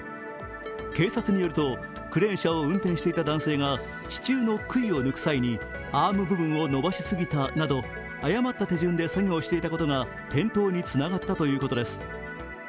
警察によると、クレーン車を運転していた男性が地中のくいを抜く際にアーム部分を延ばしすぎたなど誤った手順で作業をしていたことが転倒につながったということです。